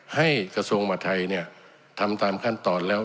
กระทรวงมหาทัยเนี่ยทำตามขั้นตอนแล้ว